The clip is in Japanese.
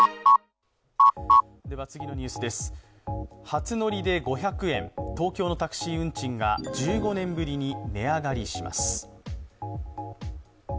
初乗りで５００円、東京のタクシー運賃が１５年ぶりに値上がりします。